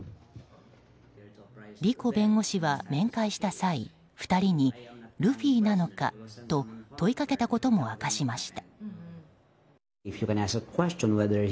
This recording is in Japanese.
リコ弁護士は面会した際、２人にルフィなのか？と問いかけたことも明かしました。